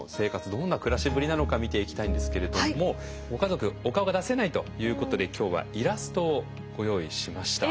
どんな暮らしぶりなのか見ていきたいんですけれどもご家族お顔が出せないということで今日はイラストをご用意しました。